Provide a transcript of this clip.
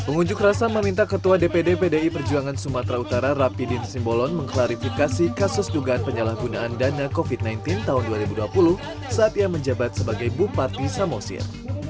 pengunjuk rasa meminta ketua dpd pdi perjuangan sumatera utara rapi din simbolon mengklarifikasi kasus dugaan penyalahgunaan dana covid sembilan belas tahun dua ribu dua puluh saat ia menjabat sebagai bupati samosir